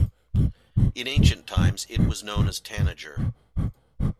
In ancient times it was known as "Tanager".